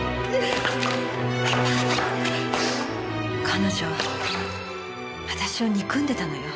彼女私を憎んでたのよ。